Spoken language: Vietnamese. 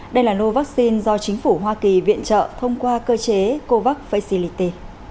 đây là nô vaccine do chính phủ hoa kỳ viện trợ thông qua cơ chế covax facility